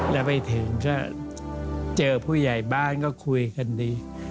แล้วไปถึงก็เจอผู้ใหญ่บ้านก็คุยกันดี